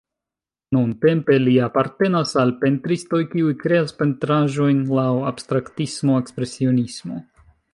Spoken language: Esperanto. Nuntempe li apartenas al pentristoj, kiuj kreas pentraĵojn laŭ abstraktismo-ekspresionismo.